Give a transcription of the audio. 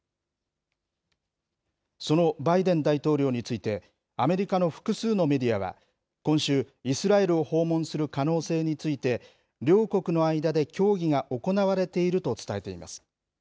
そのバイデン大統領について、アメリカの複数のメディアは、今週、イスラエルを訪問する可能性について、両国の間で協議が行われていると伝えています。